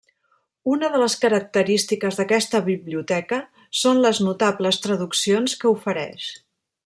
Una de les característiques d'aquesta biblioteca són les notables traduccions que ofereix.